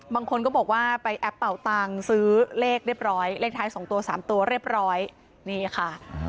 บางคนก็บอกว่าไปแอปเป่าตังค์ซื้อเลขเรียบร้อยเลขท้าย๒ตัว๓ตัวเรียบร้อยนี่ค่ะ